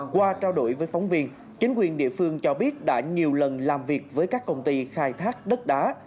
qua trao đổi với phóng viên chính quyền địa phương cho biết đã nhiều lần làm việc với các công ty khai thác đất đá